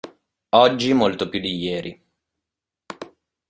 Oggi molto più di ieri.